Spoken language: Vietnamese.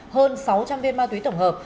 hơn sáu trăm linh viên ma túy tổng hợp